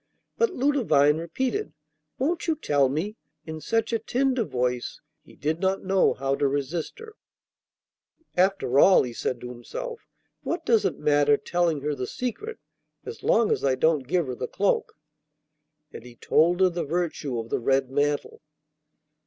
But Ludovine repeated, 'Won't you tell me?' in such a tender voice he did not know how to resist her. 'After all,' he said to himself, 'what does it matter telling her the secret, as long as I don't give her the cloak.' And he told her the virtue of the red mantle.